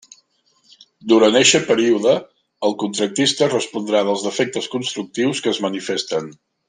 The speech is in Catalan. Durant eixe període, el contractista respondrà dels defectes constructius que es manifesten.